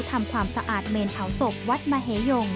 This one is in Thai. ทำความสะอาดเมนเผาศพวัดมเหยง